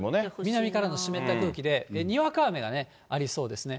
南からの湿った空気で、にわか雨がありそうですね。